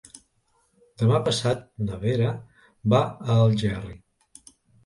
Demà passat na Vera va a Algerri.